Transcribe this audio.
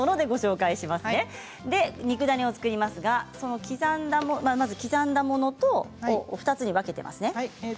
肉ダネを作りますが刻んだものを２つに分けていますね。